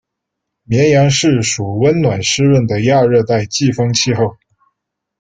绵阳市属温暖湿润的亚热带季风气候。